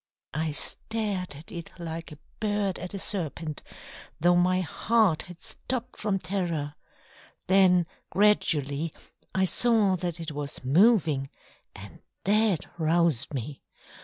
I stared at it like a bird at a serpent, though my heart had stopped from terror then gradually I saw that it was moving, and that roused me.